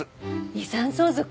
遺産相続？